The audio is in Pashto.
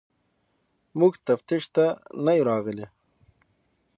موږ تفتیش ته نه یو راغلي.